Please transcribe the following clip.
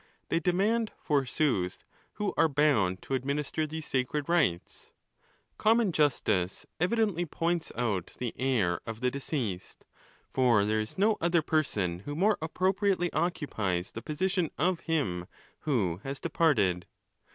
They demand, forsooth,; who are bound to administer these sacred rites ? Common justice evidently points out the heir of the deceased ; for there is no other person who more appropriately occupies the position of him who has departed.